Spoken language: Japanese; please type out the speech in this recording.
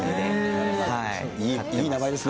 いい名前ですね。